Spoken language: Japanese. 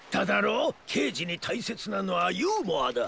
けいじにたいせつなのはユーモアだ。